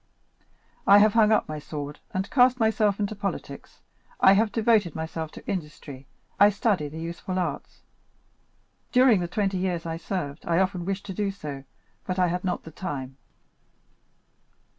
I have hung up my sword, and cast myself into politics. I have devoted myself to industry; I study the useful arts. During the twenty years I served, I often wished to do so, but I had not the time."